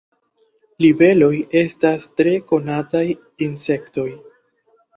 Libeloj estas tre konataj insektoj.